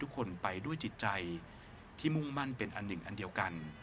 คนไปด้วยจิตใจที่มุ่งมั่นเป็นอันหนึ่งอันเดียวกัน